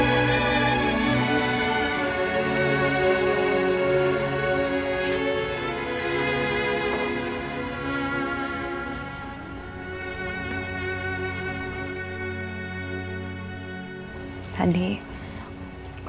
menjengkelkan teka teki vuara congres ekonomi untuk village